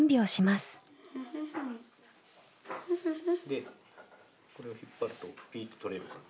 でこれを引っ張るとピッと取れるから。